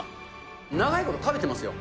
長いこと食べてますよ。